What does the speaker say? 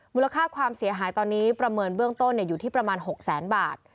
มูลค่าความเสียหายตอนนี้ประเมินเบื้องต้นอยู่ที่ประมาณ๖แสนบาท